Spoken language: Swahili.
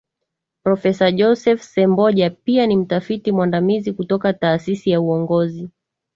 Profesa Joseph Semboja pia ni Mtafiti Mwandamizi kutoka taasisi ya Uongozi